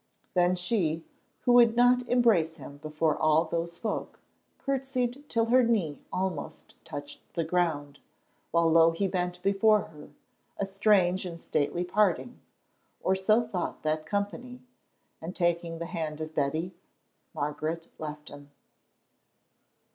Then she, who would not embrace him before all those folk, curtseyed till her knee almost touched the ground, while low he bent before her, a strange and stately parting, or so thought that company; and taking the hand of Betty, Margaret left him.